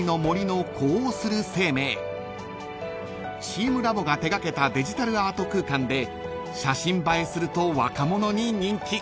［チームラボが手掛けたデジタルアート空間で写真映えすると若者に人気］